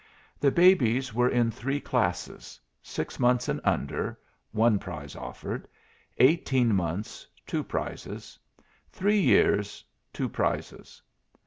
The babies were in three classes: Six months and under, one prize offered; eighteen months, two prizes; three years, two prizes.